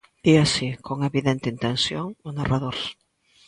Dí así, con evidente intención, o narrador.